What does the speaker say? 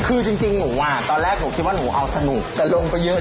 คือจริงหนูอ่ะตอนแรกหนูคิดว่าหนูเอาสนุกแต่ลงไปเยอะ